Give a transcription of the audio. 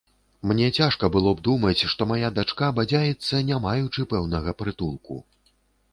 Мне цяжка было б думаць, што мая дачка бадзяецца, не маючы пэўнага прытулку.